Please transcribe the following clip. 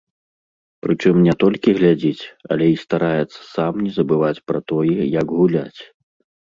Прычым не толькі глядзіць, але і стараецца сам не забываць пра тое, як гуляць.